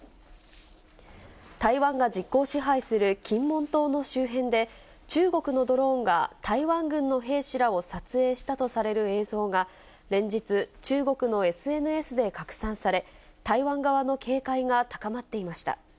台湾が実効支配する金門島の周辺で、中国のドローンが台湾軍の兵士らを撮影したとされる映像が連日、中国のＳＮＳで拡散され、台湾側の警戒が高まっていました。